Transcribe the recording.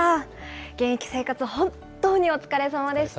現役生活、本当にお疲れさまでした。